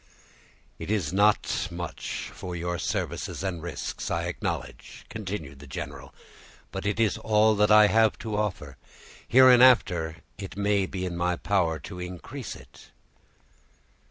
"It is not much for your services and risks, I acknowledge," continued the general, "but it is all that I have to offer; hereafter, it may be in my power to increase it."